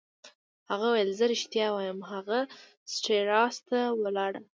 هغه وویل: زه ریښتیا وایم، هغه سټریسا ته ولاړه.